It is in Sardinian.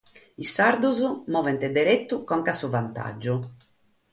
Sos sardos movent deretu conca a su vantàgiu.